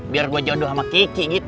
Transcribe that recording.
biar gue jodoh sama kiki gitu